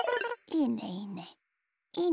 いいねいいね。